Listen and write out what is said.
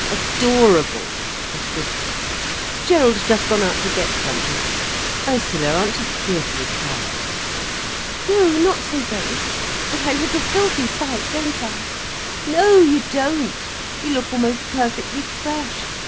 "Adorable!" said Gudrun. "Gerald's just gone out to get something. Ursula, aren't you fearfully tired?" "No, not so very. But I look a filthy sight, don't I!" "No, you don't. You look almost perfectly fresh.